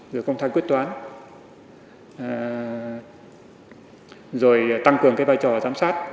rồi công khai quyết toán rồi tăng cường cái vai trò giám sát